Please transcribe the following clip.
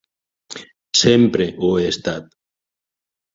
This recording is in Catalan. Sempre ho he estat.